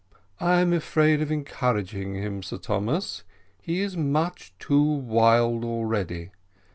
"I am afraid of encouraging him, Sir Thomas he is much too wild already.